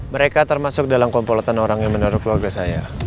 mereka termasuk dalam kompolotan orang yang menaruh keluarga saya